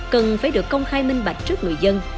cần phải được công khai minh bạch trước người dân